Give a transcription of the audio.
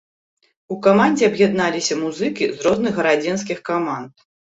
У камандзе аб'ядналіся музыкі з розных гарадзенскіх каманд.